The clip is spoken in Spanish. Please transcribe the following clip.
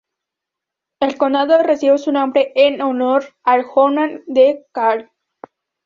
El condado recibe su nombre en honor a Johann de Kalb.